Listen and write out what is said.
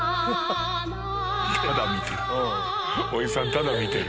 ただ見てる